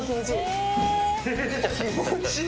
気持ちいい！